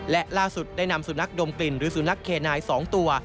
และล่าสุดได้นำสุนัขดมกลิ่นหรือสุนัขเคนาย๒ตัว